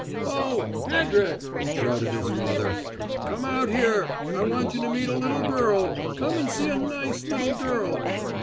"Oh, Hed rick!" shouted his father. "Come out here! I want you to meet a little girl! Come and see a nice little girl!"